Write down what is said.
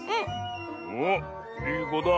おっいいこだ。